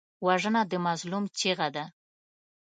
وژنه د مظلوم چیغه ده